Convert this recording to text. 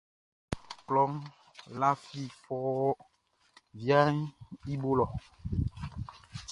Kloʼn lafi fɔuun viaʼn i bo lɔ.